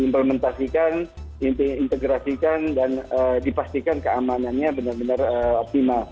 diimplementasikan diintegrasikan dan dipastikan keamanannya benar benar optimal